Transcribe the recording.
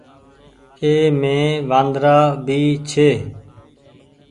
اي مي وآندرآ ڀي ڇي۔